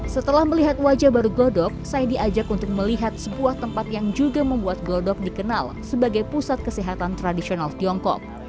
setelah melihat wajah baru godok saya diajak untuk melihat sebuah tempat yang juga membuat glodok dikenal sebagai pusat kesehatan tradisional tiongkok